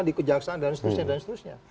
di kejaksaan dan seterusnya